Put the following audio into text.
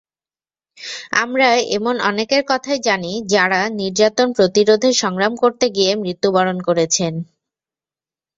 আমরা এমন অনেকের কথাই জানি, যাঁরা নির্যাতন প্রতিরোধের সংগ্রাম করতে গিয়ে মৃত্যুবরণ করেছেন।